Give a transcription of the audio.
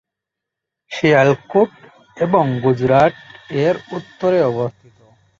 শিয়ালকোট এবং গুজরাট এর উত্তরে অবস্থিত।